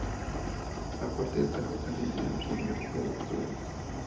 A parte, el carbón argentino no tenía mucho poder calórico.